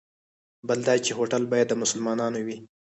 بل دا چې هوټل باید د مسلمانانو وي.